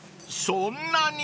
［そんなに？］